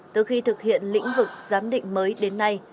từ khi thực hiện lĩnh vực giám định mới đến nay